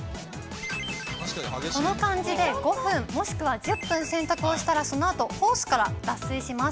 この感じで５分もしくは１０分洗濯をしたら、そのあとホースから脱水します。